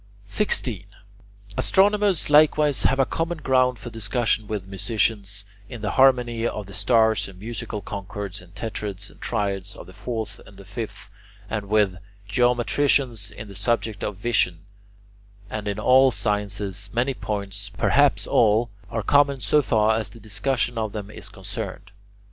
16. Astronomers likewise have a common ground for discussion with musicians in the harmony of the stars and musical concords in tetrads and triads of the fourth and the fifth, and with geometricians in the subject of vision (in Greek [Greek: logos optikos]); and in all other sciences many points, perhaps all, are common so far as the discussion of them is concerned.